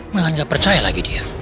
malah nggak percaya lagi dia